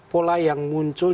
pola yang muncul